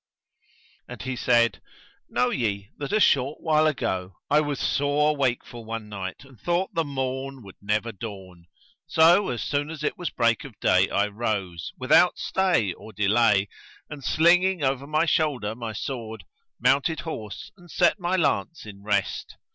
And he said:—Know ye that a short while ago, I was sore wakeful one night and thought the morn would never dawn; so, as soon as it was break of day I rose, without stay or delay; and, slinging over my shoulder my sword, mounted horse and set my lance in rest.